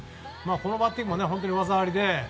このバッティングも技ありで。